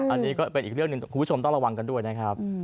อันนี้ก็เป็นอีกเรื่องหนึ่งคุณผู้ชมต้องระวังกันด้วยนะครับ